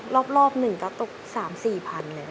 รอบนึงก็ตก๓๔พันธุ์